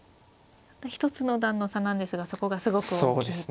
一つの段の差なんですがそこがすごく大きいと。